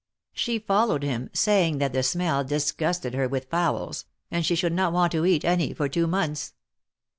She followed him, saying that the smell disgusted her THE MARKETS OP PARIS. 203 with fowls, and she should not want to eat any for two months.